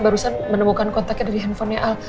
barusan menemukan kontaknya dari handphonenya al